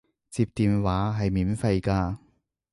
接電話係免費㗎